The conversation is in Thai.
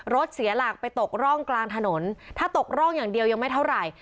เสียหลักไปตกร่องกลางถนนถ้าตกร่องอย่างเดียวยังไม่เท่าไหร่